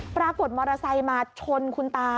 ปรากฏมอเตอร์ไซค์มาชนคุณตา